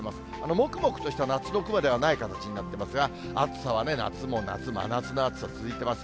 もくもくとした夏の雲ではない形になっていますが、暑さはね、夏も夏、真夏の暑さ、続いてます。